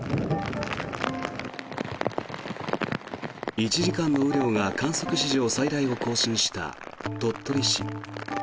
１時間の雨量が観測史上最大を更新した鳥取市。